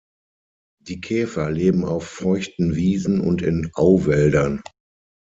Die Käfer leben auf feuchten Wiesen und in Auwäldern.